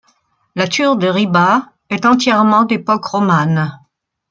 La Tour de Ribas est entièrement d'époque romane.